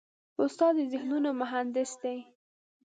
استاد د ذهنونو مهندس دی.